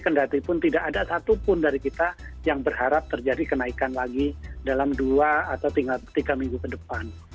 kendati pun tidak ada satupun dari kita yang berharap terjadi kenaikan lagi dalam dua atau tiga minggu ke depan